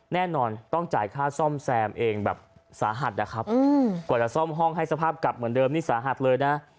แน่นอนต้องจ่ายค่าซ่อมแซมเองแบบสาหัสนะครับกว่าจะซ่อมห้องให้สภาพกลับเหมือนเดิมนี่สาหัสเลยนะ